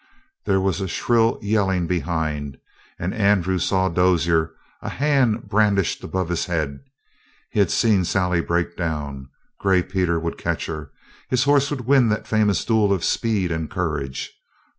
There was a shrill yelling behind, and Andrew saw Dozier, a hand brandished above his head. He had seen Sally break down; Gray Peter would catch her; his horse would win that famous duel of speed and courage.